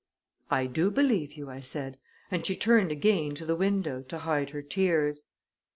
"I do believe you," I said; and she turned again to the window to hide her tears.